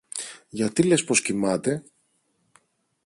Γιατί λες πως κοιμάται;